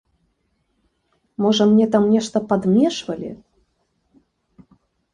Можа, мне там нешта падмешвалі?